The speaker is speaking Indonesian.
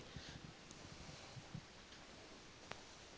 tentang keabsahan semua data dan dokumen yang anda miliki